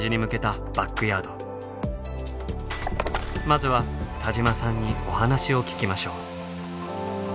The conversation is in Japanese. まずは田島さんにお話を聞きましょう。